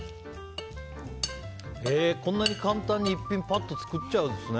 こんなに簡単に一品パッと作っちゃうんですね。